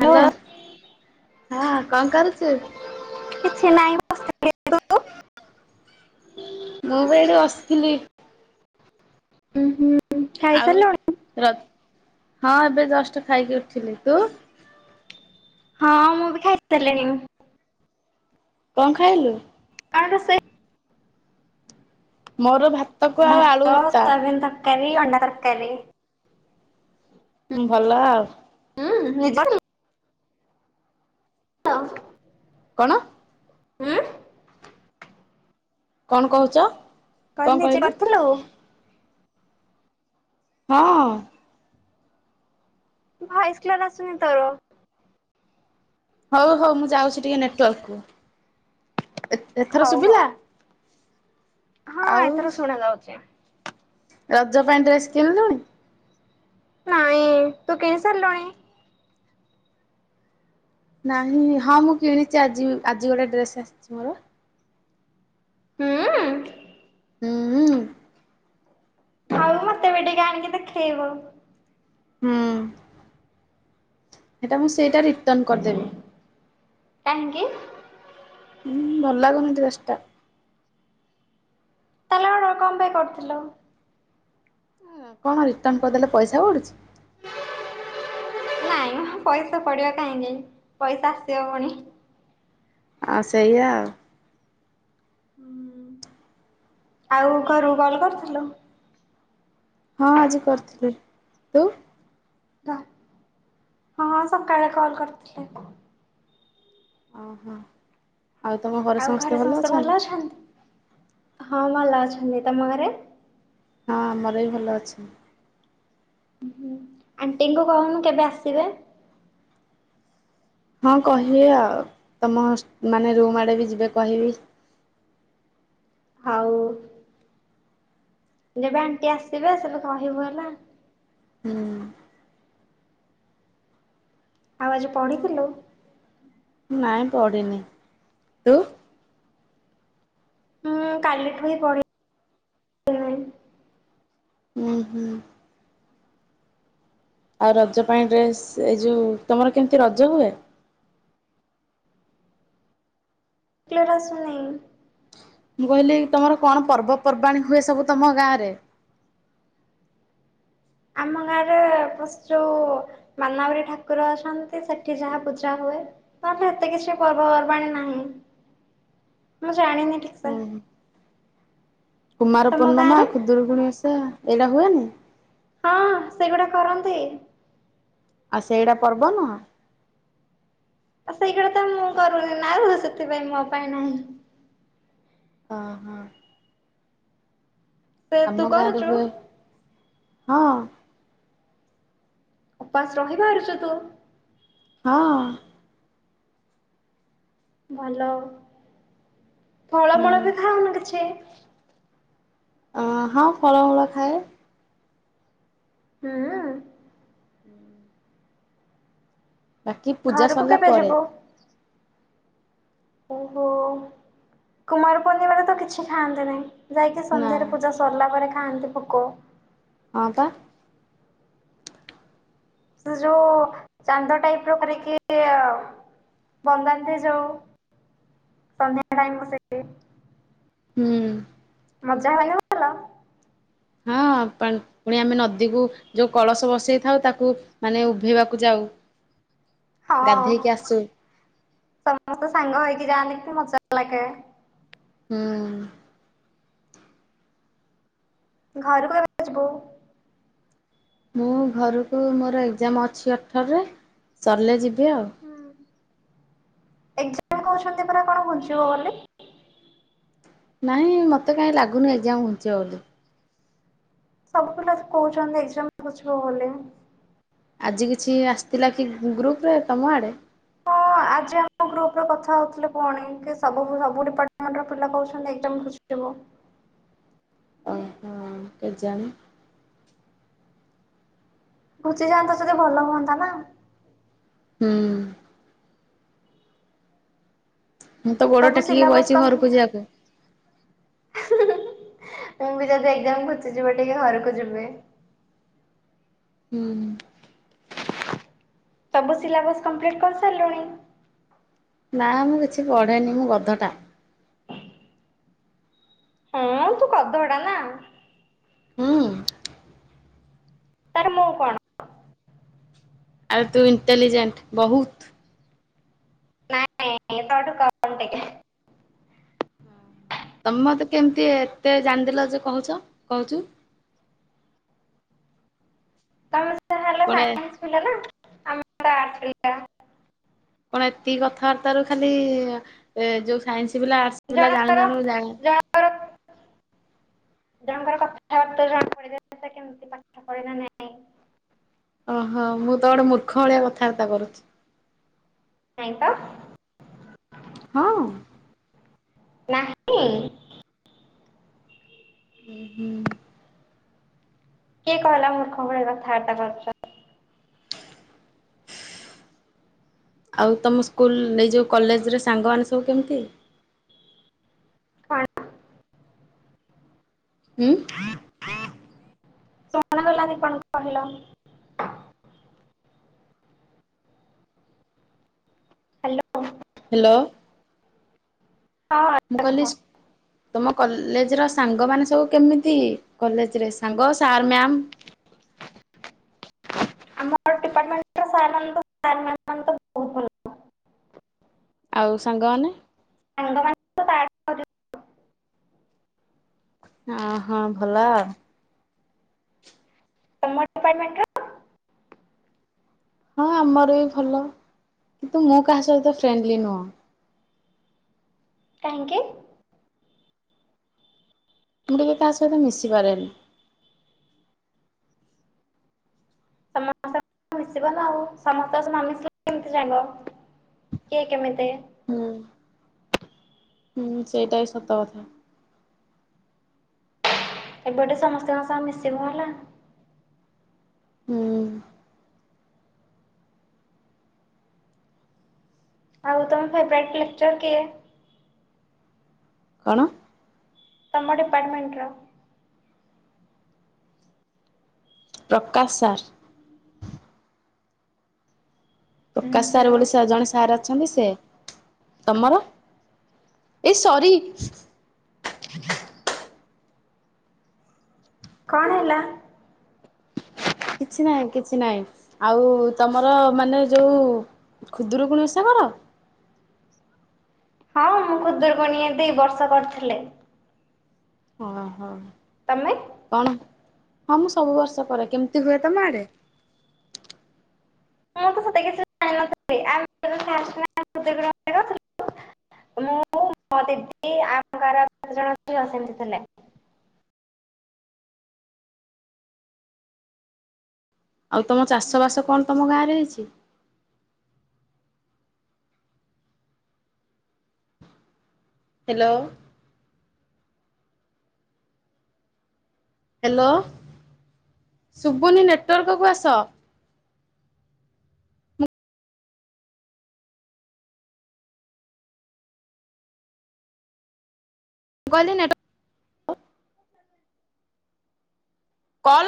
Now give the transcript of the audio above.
Hello hello ହଁ କଁ କରୁଛୁ? କିଛି ନାଇଁ। [inaudible] ମୁଁ ବି ଏଇଠି ବସିଥିଲି। ଉଁ ହୁଁ। ଆଉ ଖାଇସାରିଲୁଣି? ର ହଁ ଏବେ ଜଷ୍ଟ ଖାଇକି ଉଠିଲି ତୁ। ହଁ ମୁଁ ବି ଖାଇ ସାରିଲିଣି। କଁ ଖାଇଲୁ। ଆରେ ସେଇ। ମୋର ଭା ଭାତ, ସୋୟାବିନ ତକାରୀ, ଅଣ୍ଡା ତରକାରୀ। ହୁଁ ଭଲ ଆଉ। ହୁଁ [unintelligible] ଆ କଣ? ଉଁ? କଣ କହୁଛ? କଣ କାଲି ଯେ କହିଲୁ? ଡାକୁଥୁଲୁ? ହଁ। ଭୟସ୍ କ୍ଲିୟର୍ ଆସୁନି ତ। ହଉ ହଉ ମୁଁ ଯାଉଛି ଟିକେ ନେଟୱାର୍କକୁ, ଏଥ୍ ଏଥର ହଉ ହଉ ଶୁଭିଲା? ହଁ ଆଉ ଏଥର ଶୁଣା ଯାଉଛି। ରଜ ପାଇଁ ଡ୍ରେସ୍ କିଣିଲୁଣି? ନାଇଁ, ତୁ କିଣିି ସାରିଲୁଣି? ନାହିଁ, ହଁ ମୁଁ କିଣିଛି ଆଜି, ଆଜି ଗୋଟେ ଡ୍ରେସ୍ ଆସିଛି ମୋର। ହୁଁ-ଉଁ? ହୁଁ-ହୁଁ। ଆଉ ମତେ ବି ଟିକେ ଆଣିକି ଦେଖେଇବୁ। ହୁଁ, ହେଟା ମୁଁ ସେଇଟା ରିଟର୍ଣ୍ଣ କରିଦେବି। କାହିଁକି? ହୁଁ ଭଲ ଲାଗୁନି ଡ୍ରେସ୍ ଟା। ତାହେଲେ ଅର୍ଡର କଣ ପାଇଁ କରୁଥିଲ? ୟାକୁ କଣ ରିଟର୍ଣ୍ଣ କରିଦେଲେ ପଇସା ପଡ଼ୁଛି? ନାଇଁ ମ ପଇସା ପଡ଼ିବ କାହିଁକି ପଇସା ଆସିବ ପୁଣି। ଆଉ ସେଇଆ ଆଉ। ହୁଁ, ଆଉ ଘରୁକୁ କଲ୍ କରିଥିଲ? ହଁ ଆଜି କରିଥିଲି, ତୁ? ହଁ ସକାଳେ କଲ କରିଥିଲି। ଅଁ ହଁ, ଆଉ ତମ ଘରେ ସମସ୍ତେ ଭଲ ଅଛନ୍ତି? ହଁ ଭଲ ଅଛନ୍ତି, ତମ ଘରେ? ହଁ ଆମର ବି ଭଲ ଅଛି। ହୁଁହୁଁ, ଆଣ୍ଟିଙ୍କୁ କହୁନୁ କେବେ ଆସିବେ? ହଁ କହିବି ଆଉ ତମ ମାନେ ରୁମ୍ ଆଡେ ବି ଯିବେ କହିବି। ହଉ। ଯେବେ ଆଣ୍ଟି ଆସିବେ ସେବେ କହିବୁ ହେଲା। ହୁଁ। ଆଉ ଆଜି ପଢିଥିଲୁ? ନାଇଁ ପଢିନି ତୁ? ମୁଁ-ଉଁ-ଉଁ କାଲିଠୁ ହିଁ ପଢି ଉଁ ହୁଁ। ଆଉ ରଜ ପାଇଁ ଡ୍ରେସ୍, ଏଇ ଯୋଉ ତମର କେମିତି ରଜ ହୁଏ? କ୍ଲିୟର ଆସୁନି। ମୁଁ କହିଲି ତମର କଣ ପର୍ବପର୍ବାଣୀ ହୁଏ ସବୁ ତମ ଗାଆଁରେ? ଆମ ଗାଁରେ ପଶ୍ଚୁ ମାନାବରୀ ଠାକୁର ଅଛନ୍ତି ସେଠି ଯାହା ପୂଜା ହୁଏ। ତାତେ ଏତେ କିଛି ପର୍ବପର୍ବାଣି ନାହିଁ ମୁଁ ଜାଣିନି ଉଁ ଠିକସେ। ହୁଁ। କୁମାର ତମ ପୂର୍ଣ୍ଣମା, ଗାଁରେ? ଖୁଦୁରୁକୁୁଣୀ ଓଷା, ଏରା ହୁଏନି? ହଁ ସେଗୁଡା କରନ୍ତି। ଆଉ ସେଇଡା ପର୍ବ ନୁହଁ? ତ ସେଇଗୁଡା ତ ମୁଁ କରୁନି ନାଁ ସେଥିପାଇଁ ମୋ ପାଇଁ ନାହିଁ ହଁ ହଁ ସେ ତୁ ଆମ ଗାଁରେ କରୁଛୁ ହୁଏ ହଁ ଉପାସ ରହି ବାହାରୁଛୁ ତୁ ହଁ ଭଲ ଫଳମୂଳ ହୁଁ। ବି ଖାଉନି କିଛି ଅ ହଁ ଫଳ ମୂଳ ଖାଏ ହୁଁ ହୁଁ ବାକି ପୂଜା ଘରକୁ ସରିଲା କେବେ ପରେ ଯିବୁ? ଓହୋ କୁମାର ପୂର୍ଣ୍ଣିମାରେ ତ କିଛି ଖାଆନ୍ତେ ନାହିଁ ଯାଇକି ନା ସନ୍ଧ୍ୟାରେ ପୂଜା ସରିଲା ପରେ ଖାଆନ୍ତି ପୋକ ହଁ ତ ସେ ଯୋଉ ଚାନ୍ଦ ଟାଇପ ର କରିକି [unintelligible] ବନ୍ଦାନ୍ତି ଯୋଉ ସନ୍ଧ୍ୟା ଟାଇମ୍ ସେ ହୁଁ ମଜା ହେ [unintelligible] ହୁ ପାଣି ପୁଣି ଆମେ ନଦୀକୁ ଯୋଉ କଳସ ବସେଇଥାଉ ତାକୁ ମାନେ ଉଭେଇବାକୁ ଯାଉ ହ [inaudible] ହଁ ଗାଧେଇକି ଆସୁ ସମସ୍ତେ ସାଙ୍ଗ ହେଇକି ଯାଆନ୍ତି କି ମଜା ଲାଗେ ହୁଁ ଘରୁକୁ କେବେ ଆସିବୋ ମୁଁ ଘରକୁ ମୋର ଏକ୍ଜାାମ ଅଛି ଅଠରରେ ସରିଲେ ଯିବି ଆଉ ହୁଁ ଏଜାମ କହୁଛନ୍ତି ପୁରା କଣ ବଞ୍ଚିବ ବୋଲି ନାଇଁ ମତେ କାହିଁ ଲାଗୁନି ଏକ୍ଜାମ୍ ଘୁଞ୍ଚିବ ବୋଲି ସବୁ ପିଲା କହୁଛନ୍ତି ଏକଜାମ ଘୁଞ୍ଚିବ ବୋଲି ଆଜି କିଛି ଆସିଥିଲା କି ଗ୍ରୁପରେ ତୁମ ଆଡ଼େ ପ ଆପ୍ ଆଜି ଆମ ଗ୍ରୁପରେ କଥା ହଉଥିଲେ ପୁଣି କି ସବୁ ସବୁ ଡିପାର୍ଟମେଣ୍ଟ ର ପିଲା କହୁଛନ୍ତି ଏକ୍ଜାମ ଘୁନଚିଯିବ। ଉ କେଜାଣୀ। ଘୁଚିଯାଆନ୍ତା ଯଦି ଭଲ ହୁଅନ୍ତା ନା। ହୁଁ। ମୁଁ ତ ଗୋଡ ସବୁ ଟେକିକି ସିଲାବସ୍ ବଇଚି ଘରକୁ କମ୍ପ୍ଲିଟ୍। ଯିବାକୁ। ହିଁ ହିଁ ମୁ ବି ଯଦି ଏକ୍ଜାମ ଘୋନଚିଯିବ ଟିକେ ଘରକୁ ଯିବି। ହୁଁ। ସବୁ ସିଲାବସ କମ୍ପ୍ଲିଟ୍ କରିସାରିଲୁଣି? ନା ମୁଁ କିଛି ପଢେନି ମୁଁ ଗଧ ଟା। ହଁ ତୁ ଗଧ ଟା ନା। ହୁ ହ ତାର ମୁଁ କଣ? ଆରେ ତୁ ଇଣ୍ଟେଲିଜେଣ୍ଟ ବହୁତ। ନାଇଁ ନାଇଁ ତା ଠୁ କମ୍ ଟିକେ। ତମେ ମତେ କେମିତି ଏତେ ଜାଣିଦେଲ ଯେ କହୁଛ କହୁଛୁ। ତମେ ତ ଖାଲି [unintelligible] ପାଠ ପିଲା ନା ଆମେ [unintelligible] କଣ ଏତିକି କଥାବାର୍ତାରୁ ଖାଲି ଯୋଉ ସାଇନ୍ସ ପିଲା ଆର୍ଟ ଜଣଙ୍କର ଜଣ ଜଣଙ୍କର ଜଣଙ୍କର କଥାବାର୍ତ୍ତା ଜଣା ପଡି ଯାଏ କେମିତି ପାଠ ପଢିଲା ନାଇଁ। ଓହୋ ମୁଁ ତ ଗୋଟେ ମୂର୍ଖ ଭଳିଆ କଥାବାର୍ତ୍ତା କରୁଛି। ନାଇଁ ତ ହଁ। ନାଇଁ। ଇଁ। ହୁଁ ହୁଁ। କିଏ କହିଲା ମୁର୍ଖ ଭଳି କଥାବାର୍ତ୍ତା କରୁଛ? ଆଉ ତମ ସ୍କୁଲ ଏଇ ଯୋଉ କଲେଜରେ ସାଙ୍ଗମାନେ ସବୁ କେମିତି? କରୁଛ କଣ ହୁଁ। ଶୁଣାଗଲାନି କଣ କହିଲ? ହ୍ୟାଲୋ। ହ୍ୟାଲୋ। ହଁ। ମୁଁ ଏବେ କୁହ କହିଲି ତମ କଲେଜର ସାଙ୍ଗ ମାନେ ସବୁ କେମିତି କଲେଜରେ ସାଙ୍ଗ ସାର୍ ମାମ? ଆମର ଡିପାର୍ଟମେଣ୍ଟର [unintelligible] ଭଲ ଆଉ ସାଙ୍ଗମାନେ? ସାଙ୍ଗମାନେ ତ ତାଠୁ ଆହୁରି- ଅହ ଭଲ ଆଉ ଆପାର୍ଟମେଣ୍ଟର? ହଁ ଆମର ବି ଭଲ କିନ୍ତୁ ମୁଁ କାହା ସହିତ ଫ୍ରେଣ୍ଡଲି ନୁହଁ। କାହିଁକି? ମୁଁ କେବେ କାହା ସହିତ ମିଶିପାରେନି। [unintelligible] ମିଶିବ ନା ଆଉ ସମସ୍ତଙ୍କ ସହ ମିିଶିଲେ କେମିତି ଜାଣିବ କିଏ କେମିତି? ହୁଁ ହୁଁ ସେଇଟା ବିି ସତ କଥା। ଏବେଠୁ ସମସ୍ତଙ୍କ ସହ ମିଶିବୁ ହେଲା। ହୁଁ। ଆଉ ତମ ଫେବ୍ରାଇଟି ଲେକଚର କିଏ? କଣ? ତମ ଡିପାର୍ଟମେଣ୍ଟ ର? ପ୍ରକାଶ ସାର୍। ଉଁ ପ୍ରକାଶ ସାର୍ ହୁଁ ବୋଲି ସାର୍ ଜଣେ ସାର୍ ଅଛନ୍ତି ସେ ତମର? ଏ ସରି। [inaudible] କଣ ହେଲା? କିଛି ନାହିଁ କିଛି ନାହିଁ ଆଉ ତମର ମାନେ ଯୋଉ ଖୁଦୁରୁକୁଣି ଓଷା କର? ହଁ ମୁଁ ଖୁଦୁରୁକୁଣୀ ଏ ବର୍ଷ କରିଥିଲେ। ଓ ହ। ତମେ? କଣ ହଁ ମୁଁ ସବୁ ବର୍ଷ କରେ କେମିତି ହୁଏ ତମ ଆଡେ? [unintelligible] ମୁଁ ମୋ ଦିଦି ଆମ ଗାଁର ଆଉ ପାଞ୍ଚ ଜଣ ଝିଅ ସେମିତି ଥିଲେ। ଆଉ ତମ ଚାଷବାସ କଣ ତମ ଗାଁରେ ହେଇଛି। ହେଲୋ। ହେଲୋ ଶୁବୁନି ନେଟୱାର୍କକୁ ଆସ। ମୁଁ କହିଲି କଣ ହେଲା।